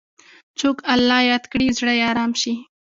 څوک الله یاد کړي، زړه یې ارام شي.